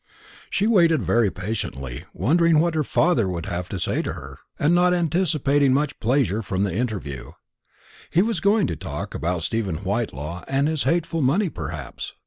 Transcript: She waited very patiently, wondering what her father could have to say to her, and not anticipating much pleasure from the interview. He was going to talk about Stephen Whitelaw and his hateful money perhaps.